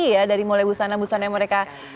ya dari mulai busana busana yang mereka